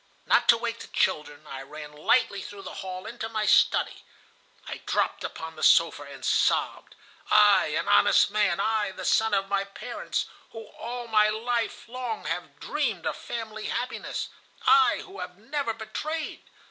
Not to wake the children, I ran lightly through the hall into my study. I dropped upon the sofa, and sobbed. 'I, an honest man, I, the son of my parents, who all my life long have dreamed of family happiness, I who have never betrayed!